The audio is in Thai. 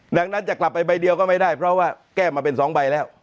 ดังนั้นจะกลับไปใบเดียวก็ไม่ได้เพราะว่าแก้มาเป็น๒ใบแล้ว